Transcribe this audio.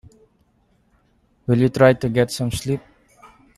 Will you try to get some sleep?